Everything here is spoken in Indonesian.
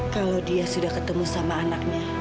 kalau dia sudah ketemu sama anaknya